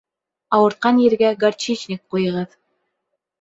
Ауыртҡан ергә горчичник ҡуйығыҙ.